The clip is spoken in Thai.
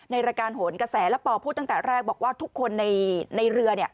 ในรายการโหนกระแสและปอพูดตั้งแต่แรกบอกว่าทุกคนในเรือ